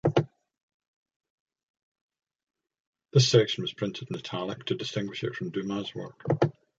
This section was printed in italic to distinguish it from Dumas' work.